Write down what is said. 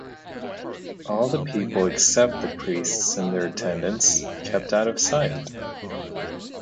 All the people except the priests and their attendants kept out of sight.